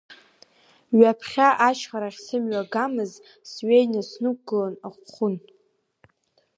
Ҩаԥхьа ашьхарахь сымҩа гамыз, сҩеины снықәгылон Ахәын.